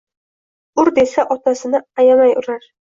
“Ur” – desa, otasin ayamay urar.